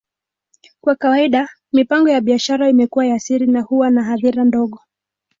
Kwa kawaida, mipango ya biashara imekuwa ya siri na huwa na hadhira ndogo.